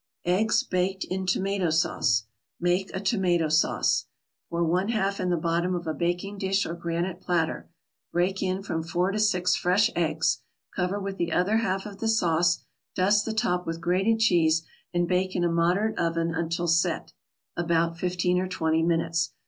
EGGS BAKED IN TOMATO SAUCE Make a tomato sauce. Pour one half in the bottom of a baking dish or granite platter, break in from four to six fresh eggs, cover with the other half of the sauce, dust the top with grated cheese, and bake in a moderate oven until "set," about fifteen or twenty minutes.